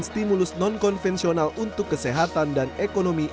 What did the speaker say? stimulus non konvensional untuk kesehatan dan ekonomi